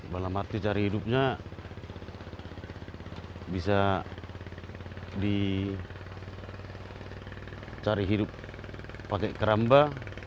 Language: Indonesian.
dalam arti cari hidupnya bisa dicari hidup pakai keramba